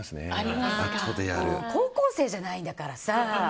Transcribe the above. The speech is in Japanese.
高校生じゃないんだからさ。